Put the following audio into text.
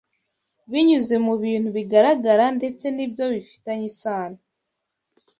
binyuze mu bintu bigaragara ndetse n’ibyo bifitanye isano